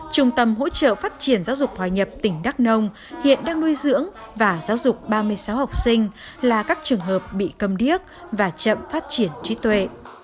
trung tâm hỗ trợ phát triển giáo dục hòa nhập tỉnh đắk nông hiện đang nuôi dưỡng và giáo dục ba mươi sáu học sinh là các trường hợp bị cầm điếc và chậm phát triển trí tuệ